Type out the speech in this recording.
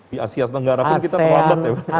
di asia tenggara pun kita terlambat ya